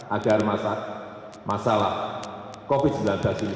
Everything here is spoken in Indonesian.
agar masalah covid sembilan belas ini